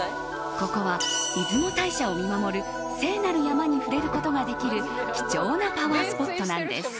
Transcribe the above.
ここは出雲大社を見守る聖なる山に触れることができる貴重なパワースポットなんです。